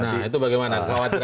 nah itu bagaimana